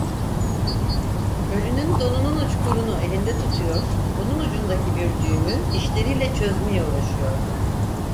Ölünün donunun uçkurunu elinde tutuyor, bunun ucundaki bir düğümü dişleriyle çözmeye uğraşıyordu.